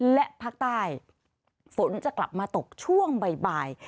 และภาคใต้ฝนจะกลับมาตกช่วงบ่าย